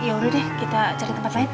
ya udah deh kita cari tempat lain